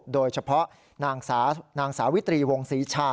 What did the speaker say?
โดยเฉพาะนางสาวิตรีวงศรีชา